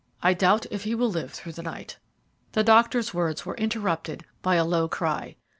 I doubt if he will live through the night." The doctor's words were interrupted by a low cry.